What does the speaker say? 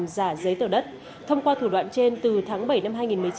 giả giấy tờ đất thông qua thủ đoạn trên từ tháng bảy năm hai nghìn một mươi chín